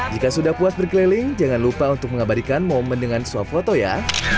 jika sudah puas berkeliling jangan lupa untuk mengabadikan momen dengan swap foto ya